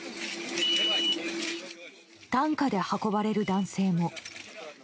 担架で運ばれる男性も。